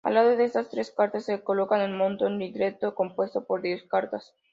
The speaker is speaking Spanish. Al lado de estas tres cartas se coloca el montón-ligretto compuesto por diez cartas.